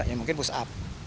ya mungkin push up